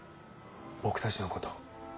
僕たちのこと。